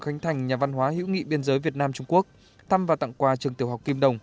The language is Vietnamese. khánh thành nhà văn hóa hữu nghị biên giới việt nam trung quốc thăm và tặng quà trường tiểu học kim đồng